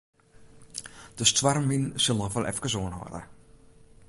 De stoarmwyn sil noch wol efkes oanhâlde.